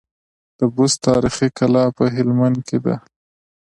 د بست تاريخي کلا په هلمند کي ده